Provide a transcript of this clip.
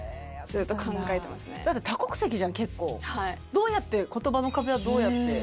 どうやって言葉の壁はどうやって？